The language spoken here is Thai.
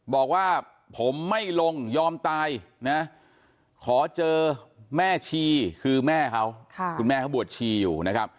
บอกว่าผมไม่ลงยอมตายนะขอเจอแม่ชีคือแม่เขาคุณแม่เขาบวชชีอยู่นะครับ